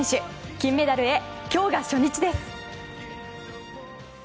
金メダルへ、今日が初日です。